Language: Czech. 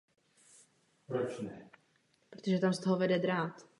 Nevýhodou je tedy nízká reflexe alternativních názorů.